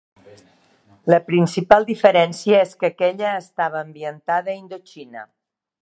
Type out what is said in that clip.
La principal diferència és que aquella estava ambientada a Indoxina.